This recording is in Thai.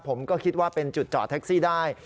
ผมก็คิดว่าเป็นจุดจอดแท็กซี่ได้